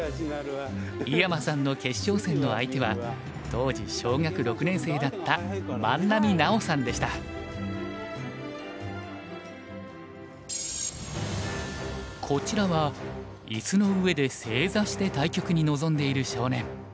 井山さんの決勝戦の相手は当時小学６年生だったこちらは椅子の上で正座して対局に臨んでいる少年。